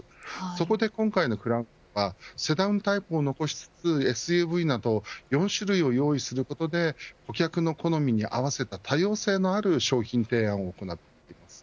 そこで今回のクラウンはセダンタイプを残しつつＳＵＶなど４種類を用意することで顧客の好みに合わせた多様性のある商品提案を行っています。